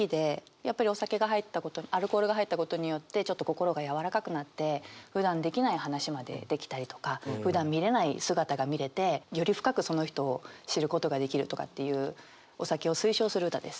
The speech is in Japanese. やっぱりお酒が入ったことアルコールが入ったことによってちょっと心が柔らかくなってふだんできない話までできたりとかふだん見れない姿が見れてより深くその人を知ることができるとかっていうお酒を推奨する歌です。